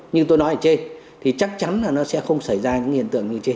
nhưng tôi nói ở trên thì chắc chắn là nó sẽ không xảy ra những hiện tượng như trên